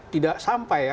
tidak sampai ya